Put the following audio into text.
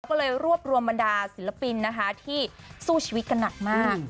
ก็เลยรวบรวมบรรดาศิลปินนะคะที่สู้ชีวิตกันหนักมาก